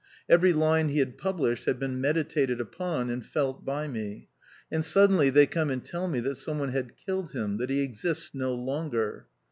Every line he had published had been meditated upon and felt by me. And suddenly they come and tell me that some one had killed him, that he exists no longer